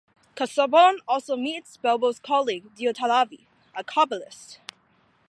Casaubon also meets Belbo's colleague Diotallevi, a cabalist.